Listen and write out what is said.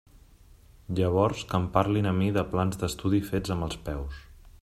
Llavors, que em parlin a mi de plans d'estudi fets amb els peus.